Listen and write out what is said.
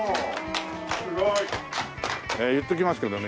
すごい！言っときますけどね